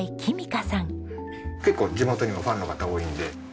結構地元にもファンの方多いんで。